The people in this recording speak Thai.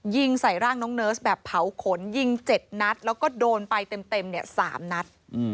ยิงใส่ร่างน้องเนิร์สแบบเผาขนยิง๗นัดแล้วก็โดนไปเต็ม๓นัด